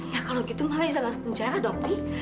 ya kalau gitu mami bisa masuk penjara dong mi